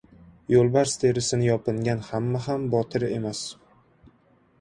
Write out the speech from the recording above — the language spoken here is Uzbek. • Yo‘lbars terisini yopingan hamma ham botir emas.